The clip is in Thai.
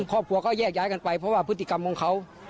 ครอบครัวก็แยกย้ายกันไปเพราะว่าพฤติกรรมของเขา